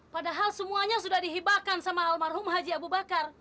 padahal semuanya sudah dihibahkan sama almarhum haji abu bakar